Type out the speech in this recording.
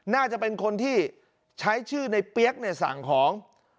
น่าจะเป็นคนที่ใช้ชื่อในเปี๊ยกเนี่ยสั่งของ